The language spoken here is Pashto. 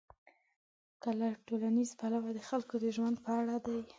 که له ټولنیز پلوه د خلکو د ژوند په اړه دي.